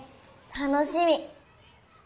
楽しみ！